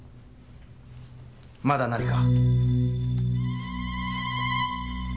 まだ何か？